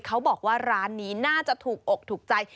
เขาบอกว่าร้านนี้น่าจะถูกอกถูกใจ